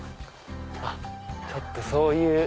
あっちょっとそういう。